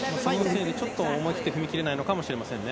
思い切って踏み切れないのかもしれませんね。